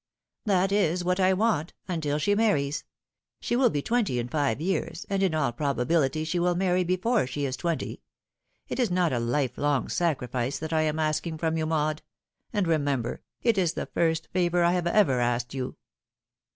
" That is what I want until she marries. She will be twenty in five years, and in all probability she will marry before she is twenty. It is not a life long sacrifice that I am asking from you, Maud ; and, remember, it is the first favour I have ever asked you."